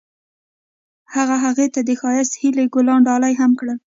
هغه هغې ته د ښایسته هیلې ګلان ډالۍ هم کړل.